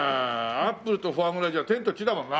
アップルとフォアグラじゃ天と地だもんな。